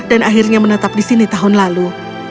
dan akhirnya menetap di sini tahun lalu